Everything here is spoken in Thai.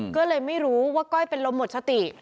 ก็เลยไม่รู้ว่าก้อยเป็นลมหมดสติ